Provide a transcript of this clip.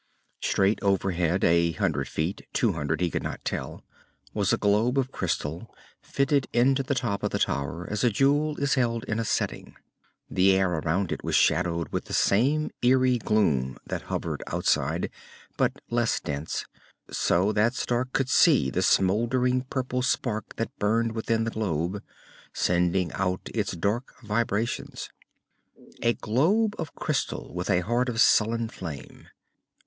Straight overhead a hundred feet, two hundred, he could not tell was a globe of crystal, fitted into the top of the tower as a jewel is held in a setting. The air around it was shadowed with the same eerie gloom that hovered outside, but less dense, so that Stark could see the smouldering purple spark that burned within the globe, sending out its dark vibrations. A globe of crystal, with a heart of sullen flame.